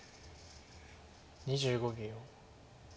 ２５秒。